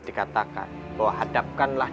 dikatakan bahwa hadapkanlah